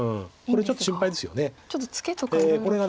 これちょっと心配ですよね。